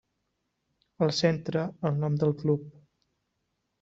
Al centre, el nom del Club.